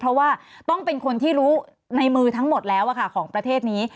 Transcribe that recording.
เพราะว่าต้องเป็นคนที่รู้ในมือทั้งหมดแล้วของประเทศนี้